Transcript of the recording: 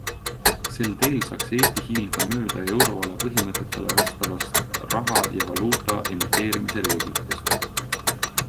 Sel teel saaks Eesti hiilida mööda euroala põhimõtetele vastavast raha ja valuuta emiteerimise reeglitest.